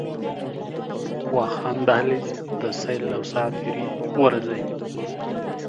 واخان دهلېز، د سيل او ساعتري غوره ځای